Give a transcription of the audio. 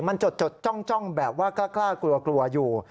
มันจดจ้องแบบว่ากล้ากลัวกลัวอยู่